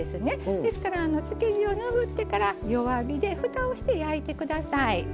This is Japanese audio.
ですから漬け地を拭ってから弱火でふたをして焼いてください。